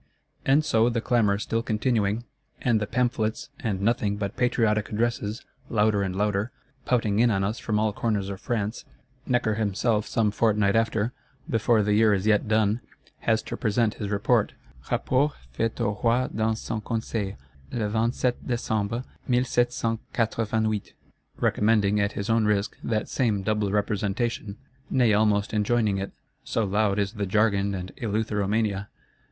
And so, the clamour still continuing, and the Pamphlets; and nothing but patriotic Addresses, louder and louder, pouting in on us from all corners of France,—Necker himself some fortnight after, before the year is yet done, has to present his Report, recommending at his own risk that same Double Representation; nay almost enjoining it, so loud is the jargon and eleutheromania.